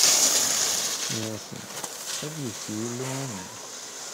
Inna-asen: Ad d-yefk Yillu aman.